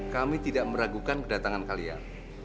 kami tidak meragukan kedatangan kalian